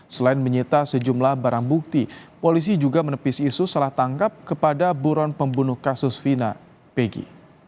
selain menyita sejumlah barang bukti polisi juga menepis isu salah tangkap kepada buron pembunuh kasus vina pegi